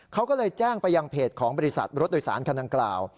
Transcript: เขาก็เลยแจ้งไปยังเพจของบริษัทรถโดยสารคันดังกล่าว